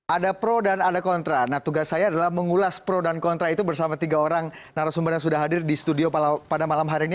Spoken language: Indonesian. ada pro dan ada kontra nah tugas saya adalah mengulas pro dan kontra itu bersama tiga orang narasumber yang sudah hadir di studio pada malam hari ini